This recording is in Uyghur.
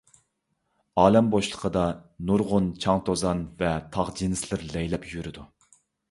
ئالەم بوشلۇقىدا نۇرغۇن چاڭ-توزان ۋە تاغ جىنسلىرى لەيلەپ يۈرىدۇ.